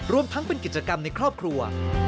รวมทั้งเป็นกิจกรรมในครอบครัว